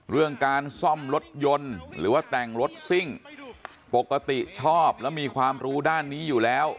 เรื่องการซ่อมรถยนต์หรือว่าแต่งรถซิ่งปกติชอบแล้วมีความรู้ด้านนี้อยู่แล้ว